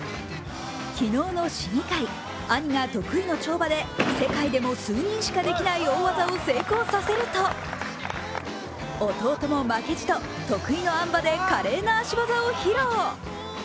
昨日の試技会、兄が得意の跳馬で世界でも数人しかできない大技を成功させると弟も負けじと、得意のあん馬で華麗な足技を披露。